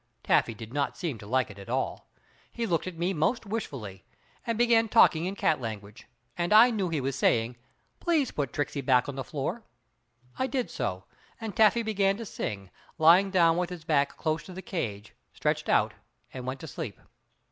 Taffy did not seem to like it at all. He looked at me most wishfully, and began talking cat language, and I knew he was saying, "Please put Tricksey back on the floor." I did so, and Taffy began to sing, lay down with his back close to the cage, stretched out and went to sleep.